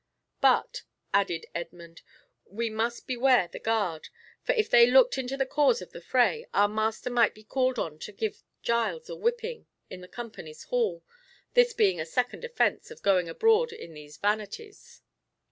"But," added Edmund, "we must beware the guard, for if they looked into the cause of the fray, our master might be called on to give Giles a whipping in the Company's hall, this being a second offence of going abroad in these vanities."